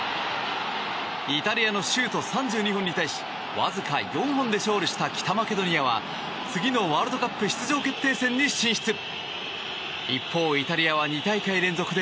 イタリアのシュート３２本に対しわずか４本で勝利した北マケドニアは次のワールドカップ出場決定戦に進出。